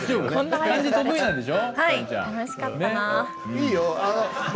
いいよ。